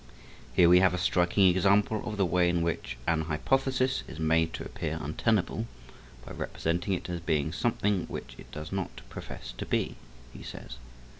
"Here we have a striking example of the way in which an hypothesis is made to appear untenable by representing it as being something which it does not profess to be," he says.